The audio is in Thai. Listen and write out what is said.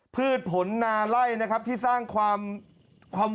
พืชผลนาไล่นะครับที่สร้างความความ